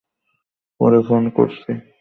পরে ফোন করছি।